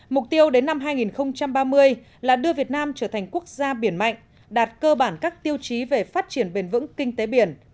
mục tiêu đến năm hai nghìn ba mươi là đưa việt nam trở thành quốc gia biển mạnh đạt cơ bản các tiêu chí về phát triển bền vững kinh tế biển